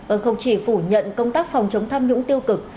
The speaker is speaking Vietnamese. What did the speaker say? vâng không chỉ phủ nhận công tác phòng chống tham nhũng tiêu cực